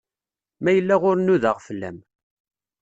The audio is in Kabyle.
Ma yella ur nudeɣ fell-am.